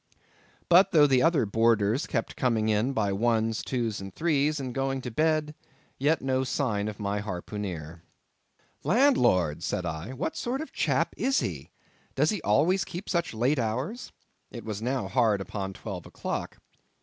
But though the other boarders kept coming in by ones, twos, and threes, and going to bed, yet no sign of my harpooneer. "Landlord!" said I, "what sort of a chap is he—does he always keep such late hours?" It was now hard upon twelve o'clock.